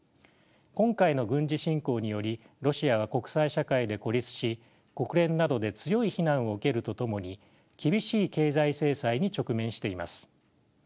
今回の軍事侵攻によりロシアは国際社会で孤立し国連などで強い非難を受けるとともに厳しい経済制裁に直面しています。